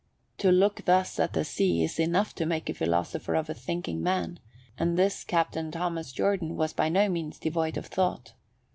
To look thus at the sea is enough to make a philosopher of a thinking man, and this Captain Thomas Jordan was by no means devoid of thought.